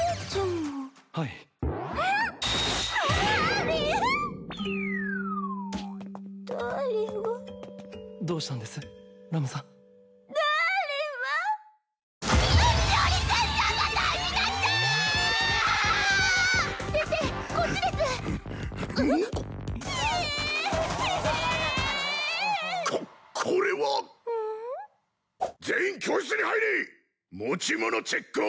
持ち物チェックをする。